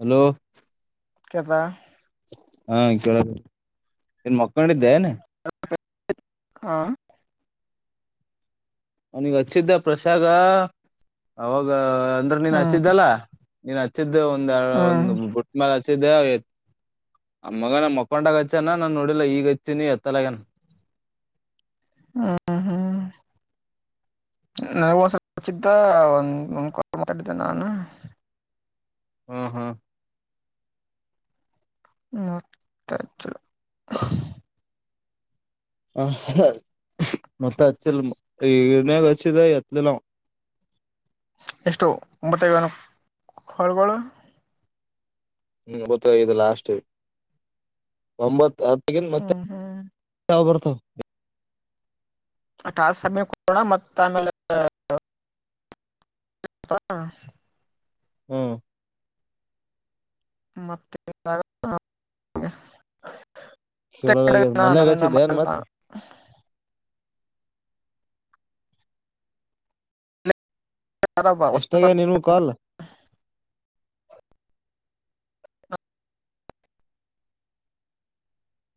Hello ಕಸ ಹಾ ಕೇಳ ಇನ್ ಮಕ್ಕೊಂಡಿದ್ದೆ ಏನೆ [unintelligible] ಹ ಅವನಿಗೆ ಹಚ್ಚಿದ್ದ ಪ್ರಸಾದ ಅವಾಗ ಅಂದ್ರೆ ನೀನ್ ಹ್ಮ್ ಹಚ್ಚಿದ್ದಲ್ಲ ನೀನ್ ಹಚ್ಚಿದ್ದೆ ಒಂದ ಹ್ಮ್ ಒಂದು್ ಬುಟ್ಟ ಮ್ಯಾಲ ಹಚ್ಚಿದ್ದೆ ಆ ಮಗ ನ ಮಕ್ಕೊಂಡಾಗ ಹಚ್ಚನ ನಾನ್ ನೋಡಿಲ್ಲ ಈಗ ಹಚ್ಚೀಿನಿ ಎತ್ತಲಗ್ಯಾನ ಹ್ಮ್ ಹ್ಮ್ [unintelligible] ಹ್ಮ್ಮ್. [inaudible] ನನಗ ಒಂದ್ ಸ್ವಲ್ಪಿದ್ದ ಒಂದ ಮಾತಾಡಿದ್ದೆ ನಾನು ಹ್ಮ ಹ್ಮ್ ಹ್ಮ್ ಮತ್ತಚ್ಚ ಹ ಮತ್ತ ಅಚ್ಚಲ್ಲ ಇನಾಗಚ್ಚದೆ ಎತ್ತಿಲ್ಲ ಅವ್ ಹ್ಮ್ಮ್. [inaudible] ಎಷ್ಟು ಮತ್ತಗಳನ್ನು ಹೊಲ್ಗೊಳ್ಳ ಹ್ಮ್ ಗೊತ್ತ ಇದು ಲಾಸ್ಟ್ ಒಂಬತ್ ಹತ್ತು ಈಗ ಮತ್ತೆ ಹ್ಮ್ ಹ್ಮ್ ತಾವ ಬರ್ತಾವ ಟಾಸ್ಕ್ ಸಮಯ ಕೊಡೋಣ ಮತ್ತ ಆಮೇಲೆ [unintelligible] ಹ ಹ್ಮ ಮತ್ತೆ [unintelligible] ಡೆ ಕೇಳೋದಾಗ ಮಲ್ಯಾಗ ನ ಹಚ್ಚಿದ್ದೆ ಏನ್ ಮಕ್ಕಳಾ ಮತ್ [unintelligible] ಎಷ್ಟಾಗವ್ ನೀನವ್ ಕಾಲ್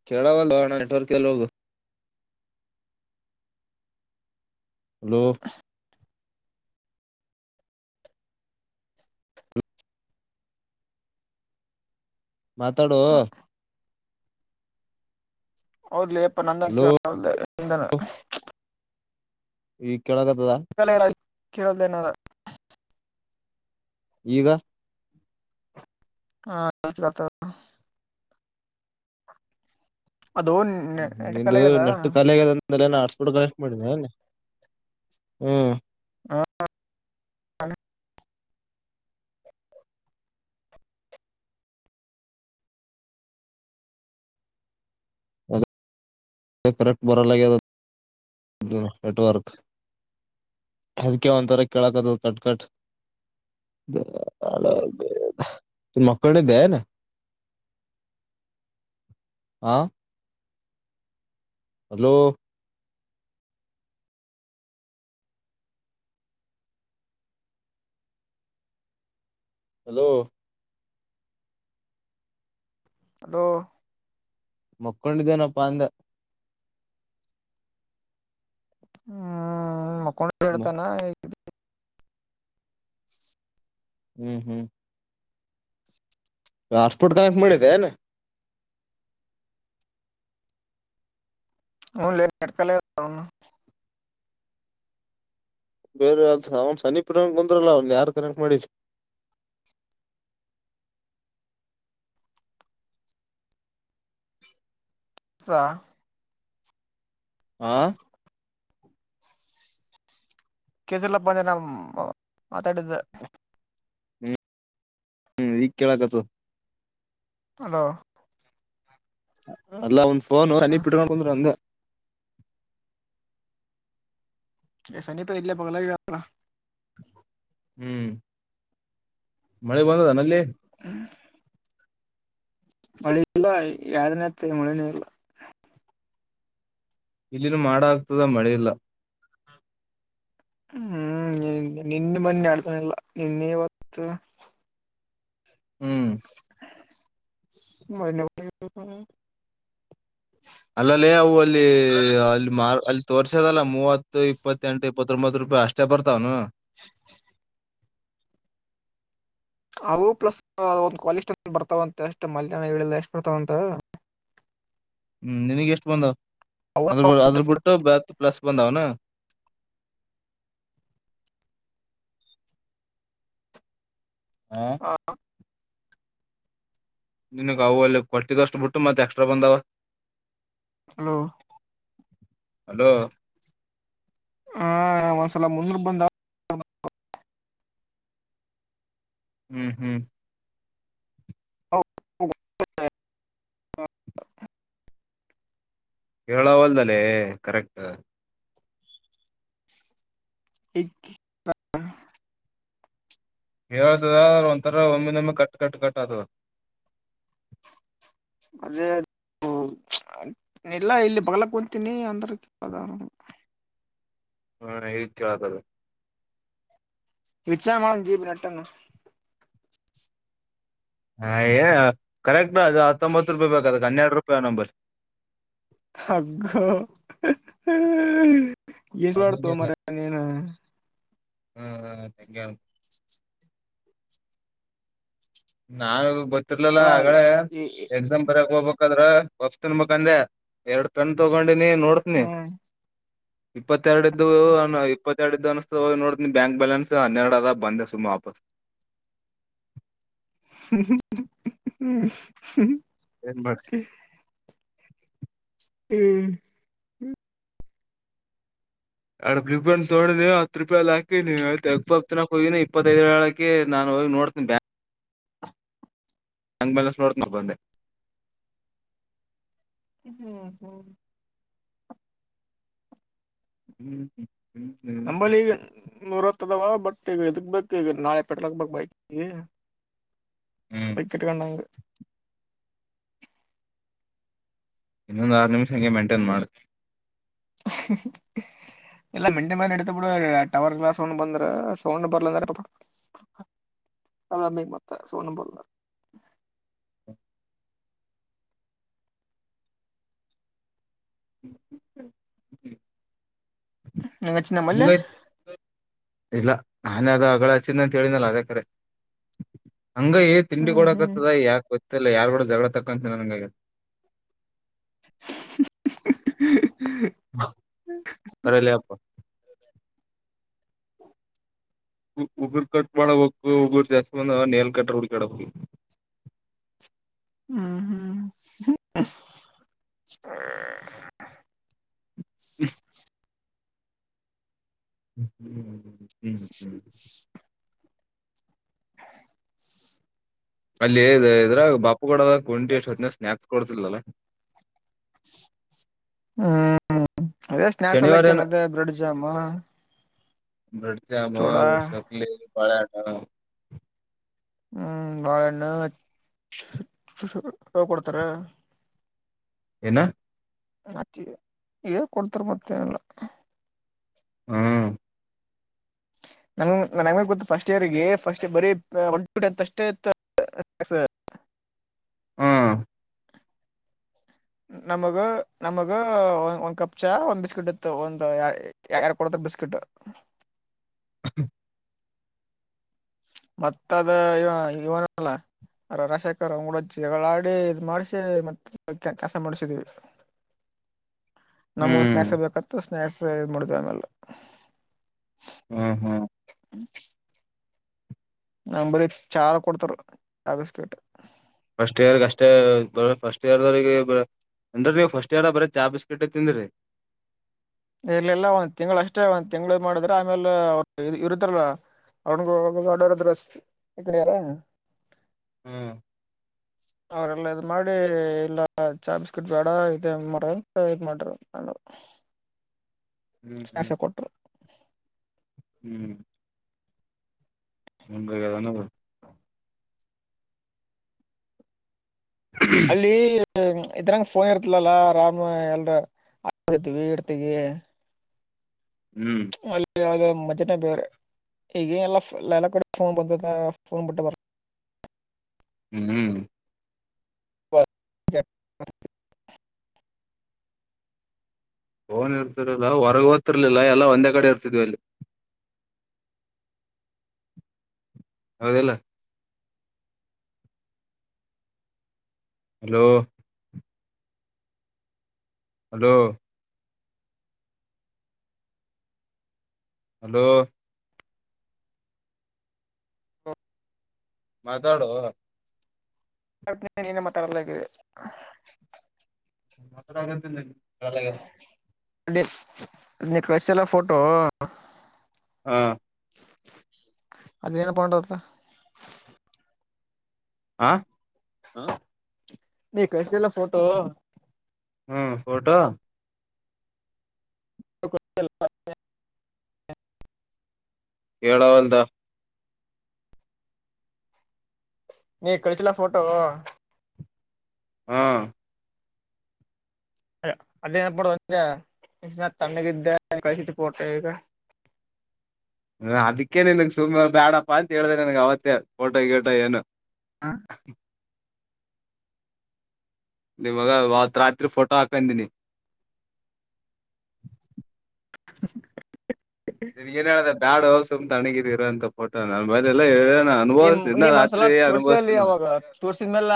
ಕೆಲವಲೋ ಅಣ್ಣ ನೆಟ್ವರ್ಕ್ ಇಲ್ಲೊಗೂ ಹಲೋ ಮಾತಾಡುೋ ಅವದಲಿ ಯಪ್ಪ ನಂದ ಹಲೋ ಕೇಳ್ದಂದಾನ [unintelligible] ಈ [unintelligible] ಕೇಳದೇನ ಈಗ ಹಾ ಇತ [unintelligible] [inaudible] ಹ್ಮ್ ಹ್ಮ್ ನೆಟ್ ನಿ್ದ ಕಲೆಗದ ನೆಟ್ಟು ಕಲೆಗೆದ ಅಂದಲೆೇ ನ ಆಡ್ಸ ಕಡ ಕಲೆಕ್ಟ್ ಮಾಡಿದ್ದ ಅ ಹ್ಞೂ ಅದ್ ಕರೆಕ್ಟ್ ಬರೆ [unintelligible] ನೆಟ್ವರ್ಕ್ ಅದಕೆ ಒಂಥರ ಕೆೇಳಕದಲ್ ಕಟ್ಕಟ್ ಮಕ್ಕಡೆ ದನ ಹಾ ಹಲೋ ಹಲೋ ಅ ಮಕ್ಕೊಂಡಿದ್ದೇನಪ್ಪ ಅಂದ ಹ್ಮ್ ಮಕ್ಕೊಂಡ ಹ್ಮ್ ಹೇಳ್ತಾನ ಈ ಹ್ಮ್ ಹ್ಮ್ ಹಾಟ್ ಸ್ಪೋರ್ಟ್ ಕನೆಕ್ ಮಾಡಿದಿ ಏನು ಹಲ್ಲಿ ಹಟಕಾಲ ಬೇರೆ ಅ ಅವ್ನ್ ಸನಿ ಪ್ರರಂಕ್ ಬಂದ್ರಲ್ಲ ಅವನ್ ಯಾರ್ ಕರಾಂಕ್ ಮಾಡಿದ ಸ ಆ ಕೇಸಲಪ್ಪಂದ ನ ಮಾತಾಡಿದ್ದ [inaudible] ಹ್ಮ್ ಈಗ ಕೇಳಕ್ತ ಹಲೋ ಅಲ್ಲ ಒಂದ್ ಫೋನ್ ಹನ್ನಿ ಬಿಟ್ಟಂದ್ರ ಹಂಗ ಎಸ ನೀ ಪ ಇಲ್ಲ ಬಗ್ಲ ಹ್ಮ್ ಮಳೆ ಬಂದದನಲ್ಲಿ ಮಳೆ ಇಲ್ಲ ಯ್ದನತ್ತ ಮಳನೇ ಇಲ್ಲ ಇಲ್ಲಿನ ಮಾಡ ಆಗ್ತದ ಮಳೆೆಯಿಲ್ಲ ಹ್ಮ್ ನಿನ್ನ ಮನ್ನಿ ಆಡ್ತಾನಲ್ಲ ನಿನ್ನೆ ಇವತ್ತು ಹ್ಮ್ ಮ ಅಲ್ಲಲ್ಲಿಅವು ಅಲ್ಲಿ ಅಲ್ಲಿ ಮಾರ್ ಅಲ್ಲಿ ತೋರ್ಸದಲ್ಲಾ ಮೂವತ್ತು ಇಪ್ಪತ್ತೆಂಟು ಇಪ್ಪತ್ತೊಂಬತ್ತು ರೂಪಾಯಿ ಅಷ್ಟೇ ಬರ್ತಾವನು ಅವು ಪ್ಲಸ್ ಒಂದು ಕಾಲೇಜ್ ಟಮ ಬರ್ತಾವಂತೆ ಅಷ್ಟ್ ಮಲ್ಯನ ಹೇಳಿಲ್ಲ ಎಷ್ಟ್ ಬರ್ತಾವಂತ ಹ್ಮ್ ನಿನಗ್ ಎಷ್ಟು ಬಂದ ಅವು ಅದ್ರ ಅದ್ರ ಬಿಟ್ಟು ಬತ್ ಪ್ಲಸ್ ಬಂದ ಹನ ಹ ನಿನಗ್ ಅವು ಅಲ್ಲಿ ಕೊಲ್ಟದ ಅಷ್ಟು ಬಿಟ್ಟು ಮತ್ತ ಎಕ್ಸ್ಬಂದಾವ ಹಲೋ ಹಲೋ ಹಾ ಒಂದ್ಸಲ ಮುಂದರು ಬಂದ ಹ್ಮ್ ಹ್ಮ್ ಕೇರಳ ಹೊಲ್ದಲ್ಲೇ ಕರೆಕ್ಟ್ ಇ ಹೇಳ್ತದ ಒಂಥರ ಒಮ್ಮೆ ಒಮ್ಮೆ ಕಟ್ ಕಟ್ ಕಟ್ ಅ ಅದೇ ಹ ಎಲ್ಲಾ ಇಲ್ಲಿ ಬಗ್ಲಕ್ ಕುಂತೀನಿ ಅಂದ್ರ ಪ್ರಧಾನ ಹಾ ಈ ಕತದೆ ವಿಚ ಮಾಡಳ ಜಪ ನೆಟ ಹ ಕರೆಕ್ಟ್ ಅದು ಹತ್ತೊಂಬತ್ತು ರೂಪಾಯಿ ಬೇಕದಕ್ಕೆ ಹನ್ನೆರಡು ರೂಪಾಯಿ ನಂಬರ್ ಾಗ್ಮ [inaudible] ಅದನ್ನ ಎಸ್ಲವಾಡತು ಇಲ್ಲ ಮರಏನ ಹ್ಮ್ ಹ್ಮ್ ಮುಂದಕ್ಕೆ ಹೇಳು ನಾನ ಗೊತ್ತಿರ್ಲಿಲ್ಲ ಅಲ್ಲ ಹಾಗಡೆೇ ಎಕ್ಸಾಮ್ ಬರಕ್ ಹೋಗ್ಬೇಕು ಬದ್ರ ಪಪ್ಸ್ ತಿನ್ಬೇಕಂದೆ ಎರಡ್ ಪೆನ್ ತಗೊಂಡಿನಿ ನೋಡ್ಸ್ನಿ ಇಪ್ಪತ್ಎರಡುಇದ್ವು ಇಪ್ಪತ್ತೆರಡು ಇದ ಅನಿಸ್ತು ನೋಡ ಬ್ಯಾಂಕ್ ಬ್ಯಾಲನ್ಸ್ ಹನ್ನರಡು ಅದ ಬಂದೆ ಸುಮ್ನೆ ವಾಪಸ್ [inaudible] ಹ್ಮ್ಮ್ಮ ಏನ್ ಬಸ್ ಹ್ಮ್ಮ್ ಎರಡ್ ರೂಪಾಯಿ ತೋನಿ ಹತ್ ರೂಪಾಯಿ ಅ ಹಾಕಿಬನ ಹೋಗಿನಿ ಇಪ್ಪತ್ತದ್ಏಳಕಿ ನಾನು ಹ ನೋಡ್ತೀ ಬ ಅಂಗಮಲ್ಷನೋಡ್ತ ನಬಂದೆ ಹ್ಮ್ ಹ್ಮ್ ಹ್ಮ್ ನಂಬಲ್ಲಿ ಮುರಾತ್ತೇದಾವೋ ಬಟ್ ಈಗ ಇದಕ್ ಬೇಕು ಈಗ ನಾಳೆ ಪೆಟ್ರೋಲ್ ಗೆ ಬೈಕ್ ಹ್ಮ್ ವಿಕೆಟ್ ಕ್ಣಂಗ ಇನ್ನೊಂದು ಆರು ನಿಮಿಷ ಹೆಂಗೆ ಮೈಂಟೈನ್ ಮಾಡ್ತೀನಿ [inaudible] ಎಲ್ಲಾ ಮೆಂಟೈನ್ ಮಾಡಿ ಇಡತ ಬಿಡ ಟವರ್ ಗ್ಲಾಸ್ ಒಂಬಂದ್ರೆ ಸೌಂಡ್ ಬರ್ಲ ಅಂದ್ರ ಪಪ [inaudible] ಅದಾಮ ಮತ್ತ ಸೌಂಡ್ ಬರಲ್ಲ ನಂಗ ಚಿನ್ನಮಲ್ಲೇ ಹಂಗೈತ್ ಇಲ್ಲ ನಾನೇ ಅದ ಹಗಳ ಹಚ್ಚಿದ್ದ ಅಂತ ಹೇಳನಲ್ಲ ಅದೇ ಕರೆ ಹಂಗ ತಿಂಡಿ ಹ್ಮ್ ಕಡ ಹ್ಮ್ ಆಕತದ ಯಾಕ ಗೊತ್ತಿಲ್ಲ ಯಾರ್ಗೂಡ ಜಗಳ ತಕೊಂತನ ನನ್ಗೆ [inaudible] ಕಲ್ಲ [unintelligible] ಉಗುರು ಕಟ್ ಮಾಡಬೇಕು ಉಗುರು ಜಾಸ್ತಿಂದ ನೆಲ್ ಕಟ್ಟ್ರ ಹಡುಕಾಡಬೇಕು ಈಗ [inaudible] ಹ್ಮ್ ಹ್ಮ್-ಹ್ಮ್ಮ್ಮ್ ಇಷ್ಟ್ [unintelligible] ಹ್ಮ ಹ್ಮ ಹ್ಮ್ಮ ಹ್ಮ್ ಹ್ಮ ಹ್ಮ್ ಅಲ್ಲಿ ಇದ್ರ ಬಾಪು ಕೂಡದ ಕುಂಟಿ ಎಷ್ಟು ಹೊತ್ತಿನ ಸಾಥ್ ಕೊಡ್ತಿಲ್ಲ್ಲ ಹ್ಮ್ಮ್. ಹ್ಮ್ ಅದೇ ಸ್ನಾಯಕ್ಸ್ ಎಲ್ಲಕ್ಕ ಏನ ಏನದೇ ಬ್ರೆಡ್ ಜಾಮಾ ಬ್ರೆಡ್ ಜಾಮ್ ಮವು ಶಕ್ಲಿ ಪಳಣ ಹ್ಮ್ ಬಾಳೆಣ್ಣ ಕೊಡ್ತಾರ ಏನು ನ ಕೊಡ್ತಾರ ಗೊತ್ತಿಲ್ಲ ಹ್ಮ ನ ನ ಗೊತ್ತು ಫಸ್ಟ್ ಇಯರ್ಗೆ ಫಸ್ಟ್ರ್ ಬರೀ ಒನ್ ಟು ಟೆಂತ್ ಅಷ್ಟೇ ಇತ್ತು ಹ್ಮ್ಮ್. ಹ್ಮ ನಮಗ ನಮಗ ಒಂದ್ ಕಪ್ ಚಾ ಒಂದ್ ಬಿಸ್ಕೆಟ್ ಇತ್ತು ಒಂದ್ ಎರಡು ಕೊಡ್ತಾ ಇದ್ರು ಬಿಸ್ಕತ್ ಹ ಮತ್ತ ಅದ ಇ ಇವನಲ್ಲ ಅರ ರಶೇಖರ್ ಅಂಗಡಜ್ಗಳಾಡಿ ಇದ್ ಮಾಡಸಿ ಮತ್ತ ಕೆಲಸ ಮಾಡಸಿದೀವಿ ಹ್ಮ್ಮ್. ನಮ್ಗೂ ಸ್ನಾಯಕ್ಸ್ ಬೇಕತ್ತು ಸ್ನಾಯಕ್ಸ್ ಮೂಡಿದ್ವಿ ಆಮೇಲೆ ಹ್ಮ್ ಹ್ಮ್ ಹ್ಮ ನಂಬರಿಚಾರ ಕೊಡ್ತಾರ ಚಾಗಸ್ಕಟ್ ಫಸ್ಟ್ ಇಯರ್ ಅಷ್ಟೇ ಫಸ್ಟ್ ಇಯರ್ ದವರಿಗೆ ಅಂದ್ರ ನೀವು ಫಸ್ಟ್ ಎಾರ ಬರೀ ಚಾ ಬಿಸ್ಕಿಟ್ ತಿಂದ್ರಿ ಇರ್ಲೆಲ್ಲಾ ಒಂದ್ ತಿಂಗ್ಳ ಅಷ್ಟೇ ಒಂದ್ ತಿಂಗಳ ಮಾಡಿದ್ರ ಆಮೇಲೆ ಅವ ಇರುತಾರಲ್ಲ ಅವನುಗಡದಸ್ರ ಹ್ಮ್ ಅವ್ರಲ್ಲ ಇದ್ ಮಾಡಿ ಇಲ್ಲ ಚಾ ಬಿಸ್ಕಿಟ್ ಬೇಡ ಇ ಮರಂತ ಇದ್ ಮಾಡ್ರ ನ ಹ್ಮ್ ಹ್ಮ್ ಸ್ನಾಕ್ಸ್ ಕೊಟ್ರು ಹ್ಮ್ ಒಗವ ಅಲ್ಲಿ ಇದ್ರಂಗ ಫೋನ್ ಇರ್ತಲಲ್ಲಾ ರಾಮ್ ಎಲ್ರ ಆಡತಿವಿ ಇಡ್ತಿವಿ ಹ್ಮ್ ಅಲ್ಲಿ ಯ ಮಜ್ ಬೇವ ಈಗ ಎಲ್ಲ ಎಲ್ಲ ಕಡೆ ಫೋನ್ ಬ ಫೋನ್ ಬಟ್ಟ ಬ ಹ್ಮ್ ಹ್ಮ್ಮ್. ನ್ ಇರ್ತಿರಲ್ಲ ಹೊರಗಗೆ ಓದ್ತಿರ್ಲಿಲ್ಲ ಎಲ್ಲಾ ಒಂದೇ ಕಡೆ ಇರ್ತಿದ್ವಿ ಇಲ್ಲಿ ಹೌದಿಲ್ಲ ಹಲೋ ಹಲೋ ಹಲೋ ಮಾತಾಡುವ ನೀನೆ ಮಾತಾಡಲ್ಲಕ್ಕಿದೆ ಮಾತ್ರ ಆಗದಲ್ಲ ಸರಾಗ ನ ಕಸೆಲ್ಲ ಫೋಟೋ ಹಾ ಅದ ನ ಪೊಂಡತ್ತ ಆ ಹ ನೀ ಕಸಲ್ಲ ಫೋಟೋ ಹ್ಮ್ ಫೋಟೋ ಹ್ಮ್. ಹೇಳ ಒಲ್ದ ನೀ ಕಳಿಸಲಾ ಫೋಟೋ ಹ್ಮ ಅದೇನ ಪಡ ಒಂದ ತ್ಣಗ ಇದ್ದ ಕಿಸಿಟ್ಟ ಪೋಟ ಈಗ ಅದಕ್ಕೆ ನಿನ್ಗ್ ಸುಮನೆ ಬೇಡಪ್ಪ ಅಂತ ಹೇಳ್ದ ನನ್ಗ್ ಅವತ್ತೇ ಫೋಟೋ ಗೋಟೋ ಏನು ಹಾ ಇವಾಗ ಅವತ್ ರಾತ್ರಿ ಫೋಟೋ ಹಾಕಂದನಿ ನಿನ್ಗಏನ್ ಹೇಳತ ಬ್ಯಾಡ ಸುಮ್ [inaudible] ಅಣಗಿದಿರಂತಫೋಟೋ ನ ಮಲ್ಲ ನಿಮ ನೀಮ ಮಂದಸಲ ತೋರ್ಸಿದಲ್ಲಿ ಅವಾಗ ತೋರ್ಸಿದ್ಮೇಲೆ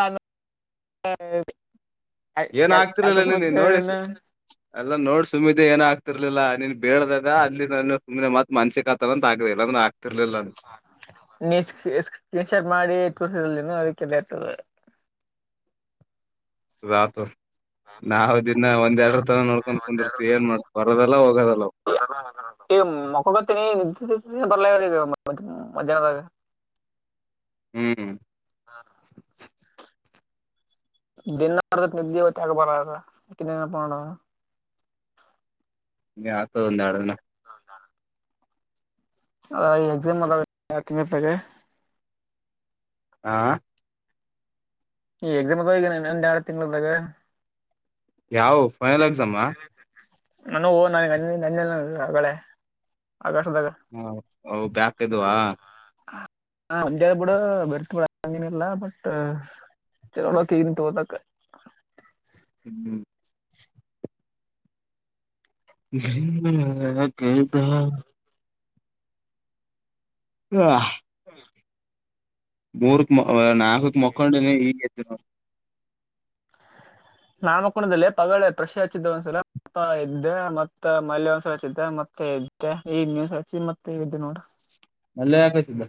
ಏನ್ ಯಾಕ ಆಗ್ತಿರ್ಲ ಇಲ್ಲಿ ತೋರ್ಸ್ಬೇಕು ನೀನ್ ನೋಡಿ ಹೇಳಿಲ್ಲ ಎಲ್ಲಾ ನೋಡ್ ಸುಮ್ಮಿತ ಏನ ಆಗ್ತಿರ್ಲಿಲ್ಲ ನೀನ್ ಬಳ್ದದ ಅಲ್ಲಿ ನ ಸುನೆ ಮತ್ ಮನ್ಸಿಕ ಹತ್ತತ ಅಂತ ಆಗದ ಇಲ್ಲಂದ್ರ ನೀ ಕಲನ್ ಶರ್ಟ್ ಮಾಡಿ ತ ಅದಕ್ಕೆೆ ನತದೆ ರಾತ್ ನಾವವು ದನ್ನ ಒಂದ್ ಎರರ ತರ ನೋಡ್ಕೊಂಡ್ ಕುಂದಿರ್ತಿವಿ ಏನ್ ಮಾಡ್ ಬರದಲ್ಲ ಹೋಗೋದಲ್ಲ ಮೊಕೊಬತನ ನಿದ್ದ ಪಲ ಮ ಮಜ್ಯಾಹನದ ಹ್ಮ್ ಆ ದಿನಾರಕ್ಕೆ ನಿದ್ದೆ ಇತ್ತ ಆಗ ಬರನಪ್ಪ ಮಾಡೋಡ ಆತದ ಒಂದು ಎರಡನ ಆ ಅ ಈ ಎಕ್ಸಾಮ್ ಅ ತಿ ಆ ಈ ಎಕ್ಸಾಮಗೆ ಹಗನೆ ಒಂದ ಎರಡು ತಿಂಗಳದಾಗ ಯಾವ ಫೈನಲ್ ಆಗಸಮ್ಮ ನಾನು ಓ ನನ ನನ್ನಲ್ಲ ಹೊಗಳೇ ಹಾ ಹ ಬ್ಯಾಕ್ದುುವ ಹ ಬಿೂಡ ಬರ್ತ ಬಿಡ ಹಂಗೇನಲ್ಲ ಬಟ್ ಚಲೋ ನಕ ಈಗ ತಗೋನಕ ಹ್ಮ್ ಹದ ಹ ಹ್ಮ ಮೂರ್ ನಾಾಗ ಮಕ್ಕಂಡ ಈ ನಾಮಕಣದಲ್ಲಿ ಪಗ ಷಿ ಹಚ್ಚಿದ್ದ ಒಂದ್ಸಲ ಮ ಇದ್ದೆ ಮತ್ತ ಮಲೆ ಒಂದ್ಸಲ ಹಚ್ಚಿದ್ದೆ ಮತ್ತೆ ಈನ್ವಸ್ ಹಸಿ ಮತ್ತೆದ ನೋಡ್ರ ಲೆಯಕ ಸಿಿದ್ದ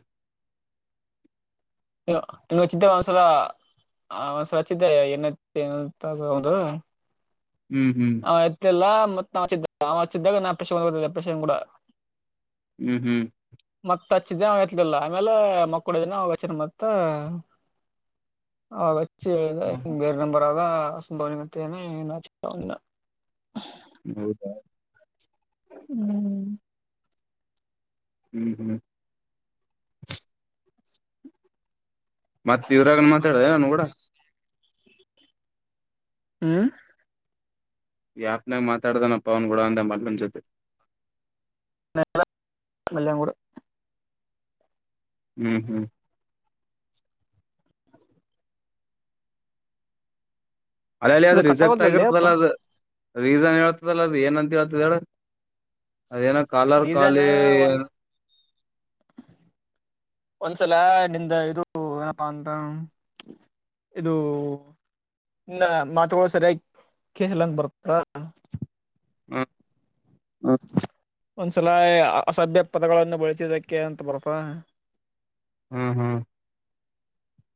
ಇನ್ನ ವಚಿದ್ದ ಒಂಸಲ ಆ ಒ್ ಸ್ವಚ್ಿದ್ದೇ ಏನತ್ತದು ಹ್ಮ್ ಹ್ಮ್ ಅವ ಎತ್ತಲ್ಲ ಮತ್ತತ್ ನಾವ ಅವಿದ್ದಾಗ ನಾ ಪೆಂದ ಬನ್ ಕೂಡ ಹ್ಮ್ ಹ್ಮ್ ಮತ್ತತ್ ಹಚ್ಚ ದಿನ ಆಗತ್ಲಿಲ್ಲ ಆಮೇಲೆ ಮಕ್ಕಡ ದನ ಹಚ್ಚರಿ ಮತ್ತ ಹೌ ಬೇರೆ ನಂಬರ್ ಆದ ಸಂಭವನಗಂತನೆ ಇ ಚಿ ಹೌದಾ ಹ್ಮ್ ಹ್ಮ್ ಹ್ಮ್ ಮತ್ತ ಇದ್ರಾಗೂ ಮಾತಾಡುದ ಏನ್ ನನ್ನ ಗೂಡ ಹ್ಮ್ ಈ ಯಾಫನಾಗಿ ಮಾತಾಡದೇನಾ ಪವನ್ ಕೂಡ ಅಂತ ಮಲ್ಲುನ್ ಜೊತಿ ಮಲ್ಯನ್ ಕೂಡ ಹ್ಮ್ ಹ್ಮ್ ಅಲ್ಲ ಅಲ್ಲಿ ಇದು ಅದು ರಿಸೆಪ್ಟ್ ಕಟ್ಟಾಗೋದಲ್ಲೇ ಅಪ್ಪ ಆಗಿರ್ತಲ್ಲ ಅದು ರೀಸನ್ ಹೇಳ್ತದಲ್ಲ ಅದು ಏನಂತ ಹೇಳ್ತದ ಹೇಳ ಅದೇನ ಕಾಲರ್ ರೀಸನ್ ಕಾಲೀ ಒಂದ್ ಒಂದ್ಸಲ ನಿಂದ ಇದು ಏನಪ್ಪಾ ಅಂತ ಇದು ಇ ಮಾತುಗಳು ಸರಿಯಾಗಿ ಕಸ್ಲಂಗ ಬರುತ್ತ ಹ್ಮ ಹ ಒಂದ್ಸಲ ಅಸಭ್ಯ ಪದಗಳನ್ನು ಬಳಸಿದಕ್ಕೆ ಅಂತ ಬರ್ತಾ ಹ್ಮ್ ಹ್ಮ್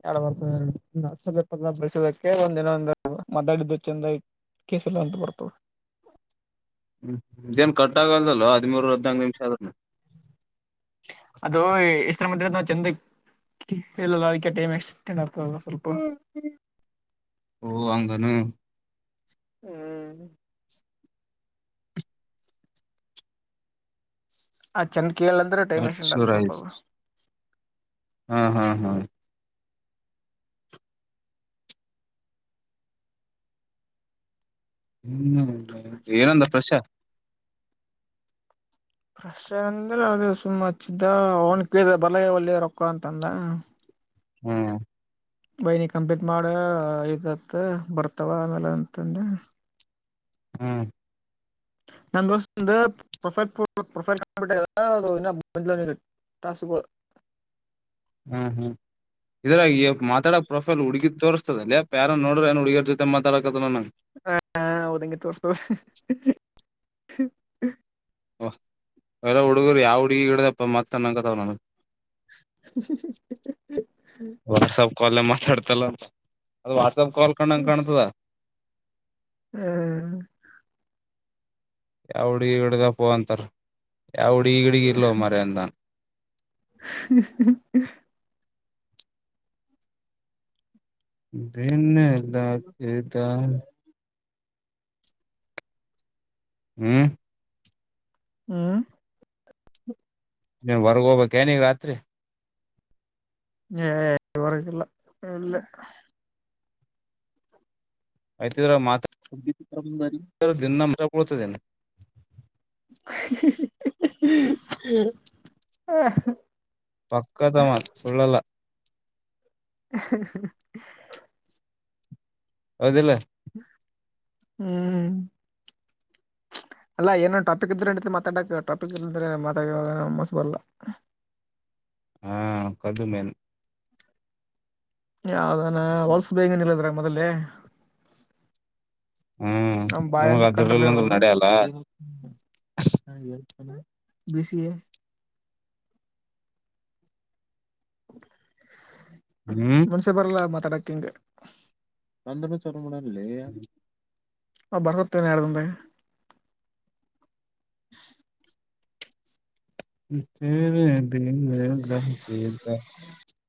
ಎ ಬಸೋದಕ್ಕೆ ಒಂದಿನ ಒ ಮಾತಾಡಿದ್ದು ಚ ಕೇಸಲ್ಲ ಅಂತ ಬರ್ತವ ಹ್ಮ್ ಇದೇನ್ ಕಟ್ ಆಾಗಲ್ದಲ್ವಾ ಹದಿಮೂರು ಹದ್ನಾಕು ನಿಮಿಷ ಅದನ್ನ ಅದು ಇಷ್ಟರ ಮಂದ ಚಂದ ಎಲ್ಲಲ್ಲ ಅದಕ್ಕೆ ಟೈಮ್ ಎಕ್ೆಟ್ ಆಗ್ತದಲ್ಲ ಸ್ವಲ್ಪ ಓ ಆಂಗನು ಹ್ಮ್ ಆ್ ಚೆಂದ ಕೇಳ ಅಂದ್ರೆ ಟೈಮ್ ಎಷ್ಟಂಡ ಅರ್ಚೂರ್ ಆಯ್ಸ್ ಸ್ವಲ್ಪದು ಹಾ ಹಾ ಹಾ ಹ್ಮ್ ಏನಂದ ಪರಶ್ಯ ಫ್ರಶ್ ಅಂದ್ರ ಅದ ಸುಮ್ ಹಚ್ಚಿದ್ದ ಅವನ್ ಕ ಬಲ ಒಳ್ಳಯ ರೊಕ್ಕ ಅಂತಂದ ಹ್ಮ ಬೈನಿ ಕಂಪ್ಲೀಟ್ ಮಾಡ ಇತ್ತ ಬರ್ತಾವ ಆಮೇಲೆ ಅಂತಂದೆ ಹ್ಮ್ ನನ್ನ ದೋಸ್ತಂದ ಪ್ರೊಫೈಲ್ ಪ್ರೊಫೈಲ್ ಕಾಣಬಿಟ್ಟ ಅ ಇನ್ನ ತಾಸಗೊ ಹ್ಮ್ ಹ್ಮ್ ಇದ್ರಾಗತಡಕ್ ಪ್ರೊಫೈಲ್ ಹುಡಗಿ ತೋರ್ಸದ ಲೆ ಪಾ ಯಾರರೆ ನೋಡ್ರ ಏನ್ ಹುಡುಗ್ಯಾರ್ ಜೊತೆ ಮಾತಡಕದಲ್ಲ ನಂಗಗೆ ಹ ಹೌದ ಹಂಗೇ ತೋರ್ಸ್ತಾದ ಎಲ್ಲ ಹುಡುಗರು ಯಾವ ಹುಡುಗಿ ಗಿಡದಪ್ಪ ಮತ ಅನಕತವ್ ನನಗೆ ವಾಟ್ಸಪ್ ಕಾಲ್ ಮಾತಾಡ್ತಲ್ಲ ಅಂತ [inaudible] ಅದು ವಾಟ್ಸಪ್ ಕಾಲ್ ಕಂಡಂಗ ಕಾಣ್ತದ ಹ್ಮ್ ಯಾ ಹುಡಗಿ ಈಗಡದಪ್ಪ ಅಂತಾರ ಯಾ ಹುಡಗಿ ಈಗಡಗ ಇಲ್ಲ ಮರ್ಯಂದ ಹ ಹ ಭಿನ್ನಲ್ಲಾಗಿದ ಹ್ಮ್ ಹ್ಮ್ ನೀನ್ ಹೊರ್ಗ ಹೋಗಬೇಕಕ್ ಏನಗ ರಾತ್ರಿ ಹೇ ಎಲ್ಲಿ ಹೊರಾಗ್ ಇಲ್ಲಾ ಇಲ್ಲೇ ಆಯ್ತಿದ್ರ ಮಾತ್ ದಿನ ನ ಮ ಸಪರುತ ದಿನ ಹಿ ಹಿ ಹಿ ಹಾ ಪಕ್ಕದವಾನ್ ಸುಳ್ಳಲ್ಲ ಹ ಹ ಹ ಹೌದಿಲ್ಲ ಹ್ಮ್ ಅಲ್ಲ ಏನನ್ ಟಾಪಿಕ್ ಇದ್ರೆೆ ಮಾತಾಡಕಕ್ ಟಾಪಿಕ್ ಇ ಅಂದ್ರೆ ಮಾತಾಡ ಮಸ್ ಬಲ್ಲ ಹಾ ಕದುಮೇಲ್ ಯದಾನ ಹೊಲ್ಸ ಬ ಹಂಗನಲ್ಲದ್ರ ಮೊದಲೇ ಹ್ಮ್ ನಮ ಬಾಯ ನಮಗ ಅಂದ್ರ ಕಂಟ್ರೋಲ್ ಅದ್ರಲ್ಲ ಅಂದ್ರ ಇರಲ್ಲ ನಡೆಯಲ್ಲ ಬಿ ಸಿ ಎ ಹ್ಮ್ ಮನ್ಸೆ ಬರಲ್ಲ ಮಾತಾಡಕ ಹಂಗೆ ಣಲ್ಲ ಆ ಬರ್ಕತೇನೆ ಎ [inaudible] ರ್್ದಂದಾಗ ಸರೆ ಬದದ